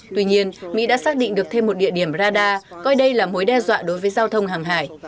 tuy nhiên mỹ đã xác định được thêm một địa điểm radar coi đây là mối đe dọa đối với giao thông hàng hải